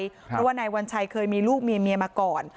เพราะว่านายวัญชัยเคยมีลูกมีเมียมาก่อน